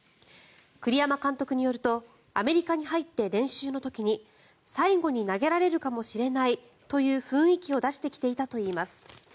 栗山監督によるとアメリカに入って練習の時に最後に投げられるかもしれないという雰囲気を出してきていたといいます。